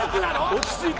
落ち着いて。